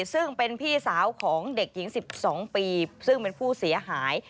ซึ่งเป็นพี่สาวของเด็กหญิง๑๒ปีซึ่งเป็นผู้เสียหาย